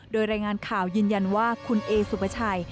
โดยรายงานข่าวยืนยันว่าคุณเอสุปชัย